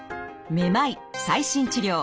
めまい最新治療。